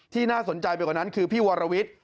น่าสนใจไปกว่านั้นคือพี่วรวิทย์